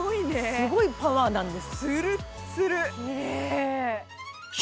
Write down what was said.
すごいパワーなんです。